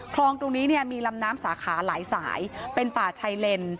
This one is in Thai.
คลองตรงนี้มีลำน้ำสาขาหลายสายเป็นป่าชัยเล่น